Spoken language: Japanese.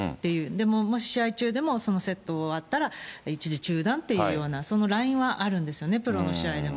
でももし試合中でも、そのセット終わったら、一時中断というような、そのラインはあるんですよね、プロの試合でも。